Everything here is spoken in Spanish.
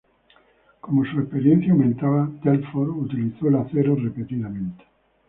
Como su experiencia aumentaba, Telford utilizó el acero repetidamente.